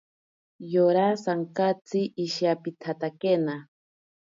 Yora sankatsi ishiyapitsatakena.